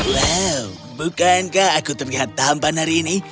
wow bukankah aku terlihat tampan hari ini